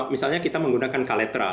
misalnya kita menggunakan kaletra